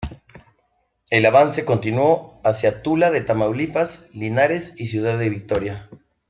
El avance continuó hacia Tula de Tamaulipas, Linares y Ciudad Victoria.